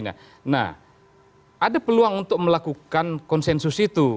nah ada peluang untuk melakukan konsensus itu